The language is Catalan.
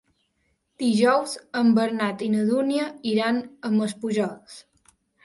Dijous en Bernat i na Dúnia iran a Maspujols.